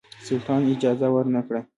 سلطان اجازه ورنه کړه.